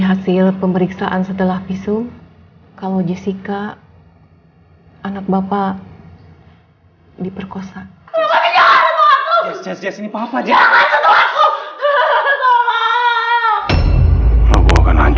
hasil pemeriksaan setelah visum kalau jessica anak bapak diperkosa